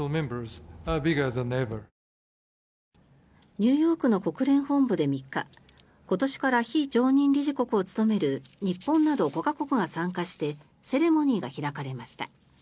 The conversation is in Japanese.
ニューヨークの国連本部で３日今年から非常任理事国を務める日本など５か国が参加してセレモニーが開かれました。